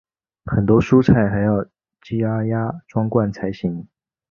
很多蔬菜还要加压装罐才行。